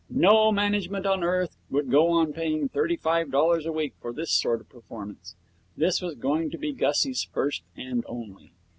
No management on earth would go on paying thirty five dollars a week for this sort of performance. This was going to be Gussie's first and only.